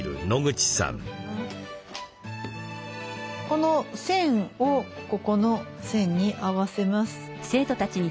この線をここの線に合わせます。